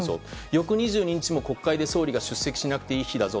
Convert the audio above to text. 翌２２日も国会で総理が出席しなくていい日だぞ。